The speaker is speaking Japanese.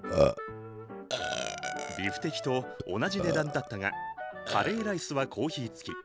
ビフテキと同じ値段だったがカレーライスはコーヒー付き。